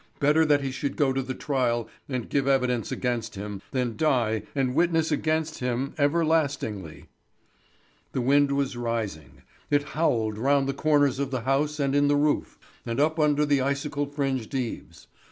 Better that he should go to the trial and give evidence against him, than die and witness against him everlastingly. The wind was rising. It howled round the corners of the house and in the roof, and up under the icicle fringed eaves.